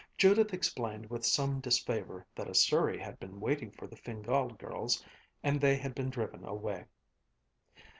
Judith explained with some disfavor that a surrey had been waiting for the Fingál girls and they had been driven away.